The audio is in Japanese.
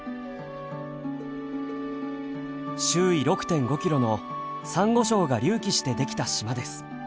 周囲６．５キロのさんご礁が隆起してできた島です。